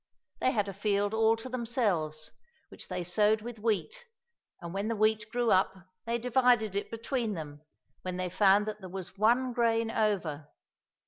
They had a field all to themselves, which they sowed with wheat, and when the wheat grew up they divided it between them, when they found that there was one grain over